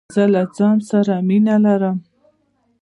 زه له ځانه سره مینه لرم.